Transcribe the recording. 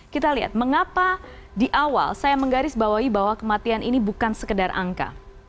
kita lihat mengapa di awal saya menggarisbawahi bahwa kematian ini bukan sekedar angka